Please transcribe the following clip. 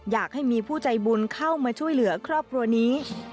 อยากให้มีผู้ใจบุญเข้ามาช่วยเหลือครอบครัวนี้